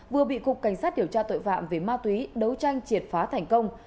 vừa bị cục cảnh sát điều tra tội phạm về ma túy đấu tranh triệt phá thành công